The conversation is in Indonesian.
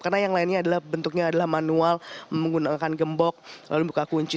karena yang lainnya bentuknya adalah manual menggunakan gembok lalu buka kunci